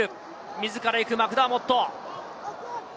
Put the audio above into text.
自ら行くマクダーモット。